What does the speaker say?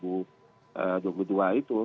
jadi ini adalah hal yang harus diperhatikan